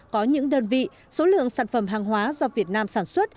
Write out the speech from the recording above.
có những đơn vị số lượng sản phẩm hàng hóa do việt nam sản xuất